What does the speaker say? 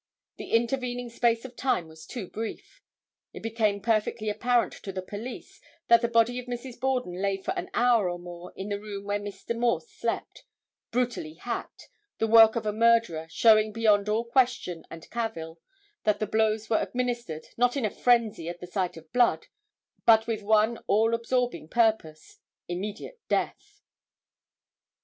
The intervening space of time was too brief. It became perfectly apparent to the police that the body of Mrs. Borden lay for an hour or more, in the room where Mr. Morse slept, brutally hacked, the work of a murderer, showing beyond all question and cavil that the blows were administered, not in a frenzy at the sight of blood, but with one all absorbing purpose—immediate death.